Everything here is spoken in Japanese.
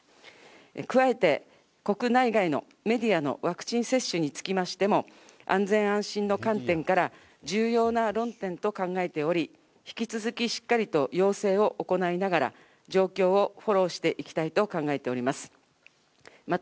加えて国内外のメディアのワクチン接種につきましても、安全安心の観点から重要な論点と考えており、引き続きしっかりと要請を行いながら、状況をフォローしていきたいと考えております。